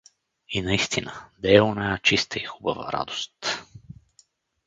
И наистина, де е оная чиста и хубава радост!